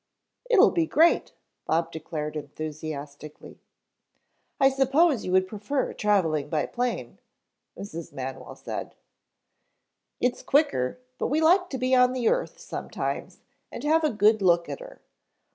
"It'll be great," Bob declared enthusiastically. "I suppose you would prefer traveling by plane," Mrs. Manwell said. "It's quicker, but we like to be on the earth sometimes and have a good look at her.